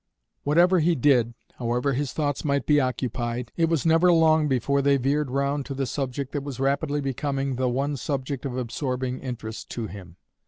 Whatever he did, however his thoughts might be occupied, it was never long before they veered round to the subject that was rapidly becoming the one subject of absorbing interest to him.